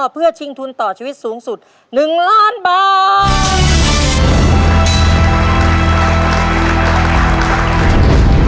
เพื่อชิงทุนต่อชีวิตสูงสุด๑ล้านบาท